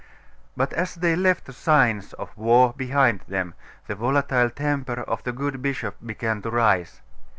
But as they left the signs of war behind them, the volatile temper of the good bishop began to rise.